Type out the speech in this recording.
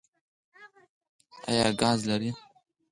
ایا ګاز لرئ؟